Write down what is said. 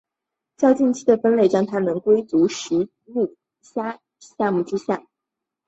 较近期的分类将它们归为十足目真虾下目之下的总科地位未定分类。